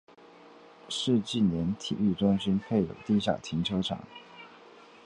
世纪莲体育中心配有地下停车场。